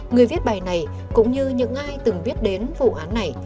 người viết bài này cũng như những ai từng biết đến vụ án này